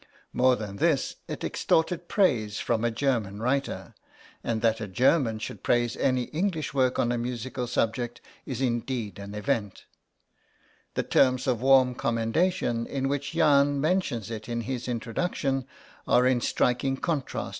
* More than this, it extorted praise from a German writer, and that a German should praise any English work on a musical subject is indeed an event. The terms of warm commendation in which Jahn mentions it in his introduction are in striking contrast to * A new edition, with notes by Ebenezer Prout, B.